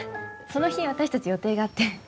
その日私たち予定があって。